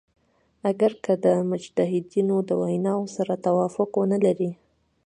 اګر که د مجتهدینو د ویناوو سره توافق ونه لری.